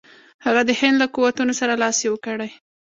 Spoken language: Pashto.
هغه د هند له قوتونو سره لاس یو کړي.